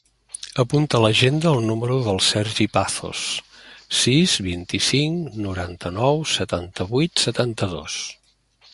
Apunta a l'agenda el número del Sergi Pazos: sis, vint-i-cinc, noranta-nou, setanta-vuit, setanta-dos.